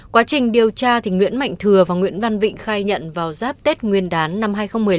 quá trình điều tra nguyễn mạnh thừa và nguyễn văn vịnh khai nhận vào giáp tết nguyên đán năm hai nghìn một mươi năm